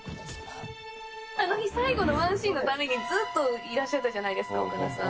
あの日、最後のワンシーンのためにずっといらっしゃったじゃないですか、岡田さん。